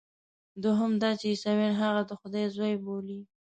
دوهم دا چې عیسویان هغه د خدای زوی بولي.